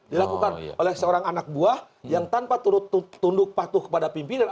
dilakukan oleh seorang anak buah yang tanpa tunduk patuh kepada pimpinan